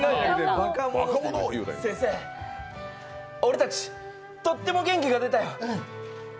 先生、俺たち、とっても元気が出たよ。